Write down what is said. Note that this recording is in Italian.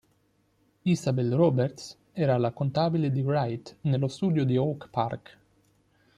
Isabel Roberts era la contabile di Wright nello studio di Oak Park.